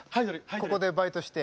ここでバイトして。